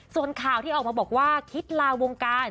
ส่วนข่าวที่ออกมาบอกว่าคิดลาวงการ